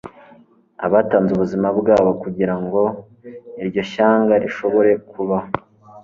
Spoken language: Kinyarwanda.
batanze ubuzima bwabo kugirango iryo shyanga rishobore kubaho